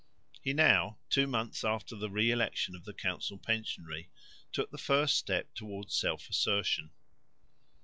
He now, two months after the re election of the council pensionary, took the first step towards self assertion.